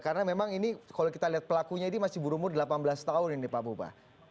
karena memang ini kalau kita lihat pelakunya ini masih berumur delapan belas tahun ini pak mubah